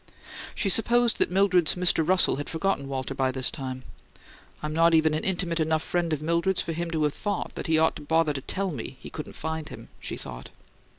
She supposed that Mildred's Mr. Russell had forgotten Walter by this time. "I'm not even an intimate enough friend of Mildred's for him to have thought he ought to bother to tell me he couldn't find him," she thought.